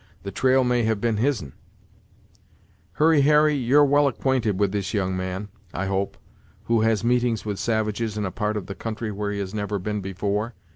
The trail may have been his'n." "Hurry Harry, you're well acquainted with this young man, I hope, who has meetings with savages in a part of the country where he has never been before?"